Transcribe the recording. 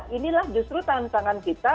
inilah justru tantangan kita